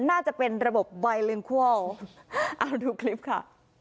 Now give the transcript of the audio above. น่าจะเป็นระบบใบลึงคั่วเอาดูคลิปค่ะ